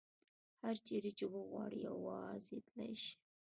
هر چیرې چې وغواړي یوازې تللې شي.